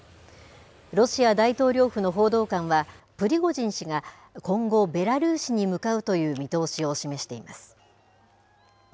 ロシア大統領府の報道官は、プリゴジン氏が今後、ベラルーシに向かうという見通しを示しています。